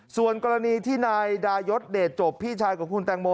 ส่วนกรณีที่นายดายศเดชจบพี่ชายของคุณแตงโม